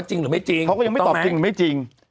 แต่เขาก็ยังไม่บอกว่าจริงหรือไม่จริง